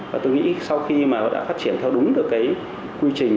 và tôi nghĩ sau khi mà nó đã phát triển theo đúng được cái quy trình